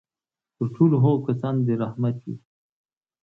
پر ټولو هغو کسانو دي رحمت وي.